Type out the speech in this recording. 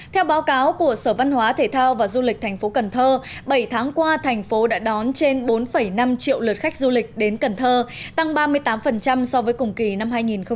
theo báo cáo của sở văn hóa thể thao và du lịch thành phố cần thơ bảy tháng qua thành phố đã đón trên bốn năm triệu lượt khách du lịch đến cần thơ tăng ba mươi tám so với cùng kỳ năm hai nghìn một mươi chín